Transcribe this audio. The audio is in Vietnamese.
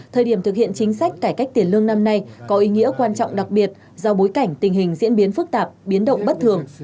thời điểm thực hiện chính sách cải cách tiền lương năm nay có ý nghĩa quan trọng đặc biệt do bối cảnh tình hình diễn biến phức tạp biến động bất thường